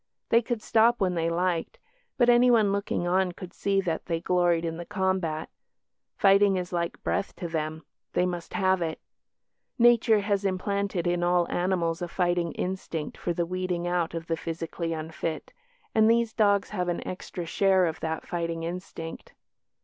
They could stop when they liked, but anyone looking on could see that they gloried in the combat. Fighting is like breath to them they must have it. Nature has implanted in all animals a fighting instinct for the weeding out of the physically unfit, and these dogs have an extra share of that fighting instinct.